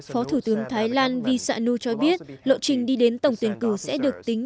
phó thủ tướng thái lan visanu cho biết lộ trình đi đến tổng tuyển cử sẽ được tính